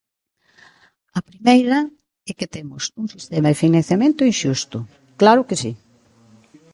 A primeira, é que temos un sistema de financiamento inxusto, ¡claro que si!